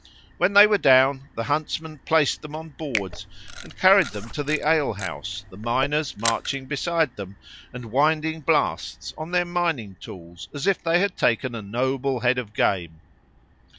When they were down, the huntsmen placed them on boards and carried them to the ale house, the miners marching beside them and winding blasts on their mining tools as if they had taken a noble head of game.